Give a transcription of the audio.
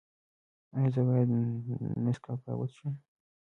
ایا زه باید نسکافه وڅښم؟